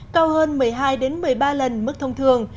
cao hơn một mươi hai một mươi ba lần mức thông thường